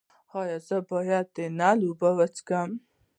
ایا زه باید د نل اوبه وڅښم؟